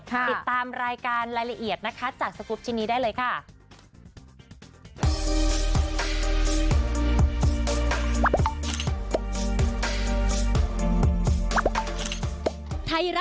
ติดตามรายการรายละเอียดนะคะจากสกุปชิ้นนี้ได้เลยค่ะ